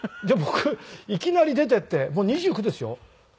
で僕いきなり出ていってもう２９ですよ。